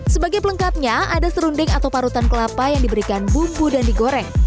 sebagai pelengkapnya ada serunding atau parutan kelapa yang diberikan bumbu dan digoreng